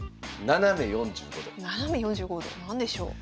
斜め４５度？何でしょう？